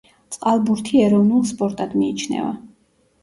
წყალბურთი ეროვნულ სპორტად მიიჩნევა.